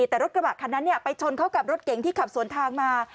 แต่รถกระบะคันนั้นไปชนเข้ากับรถเก๋งที่ขับสวนทางมา